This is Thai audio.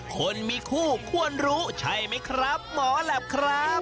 คนมีคู่ควรรู้ใช่ไหมครับหมอแหลปครับ